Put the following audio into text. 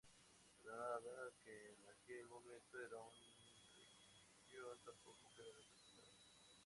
Granada, que en aquel momento era una región, tampoco queda representada.